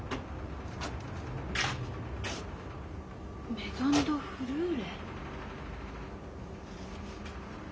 メゾン・ド・フルーレ？